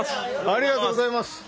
ありがとうございます。